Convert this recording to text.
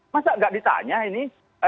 masa tidak ditanya ini